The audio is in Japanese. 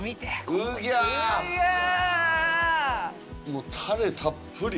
もうタレたっぷり。